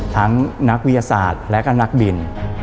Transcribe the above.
นักวิทยาศาสตร์และก็นักบิน